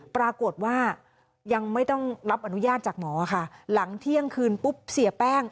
ปรากฏว่ายังไม่ต้องรับอนุญาตจากหมอค่ะหลังเที่ยงคืนปุ๊บเสียแป้ง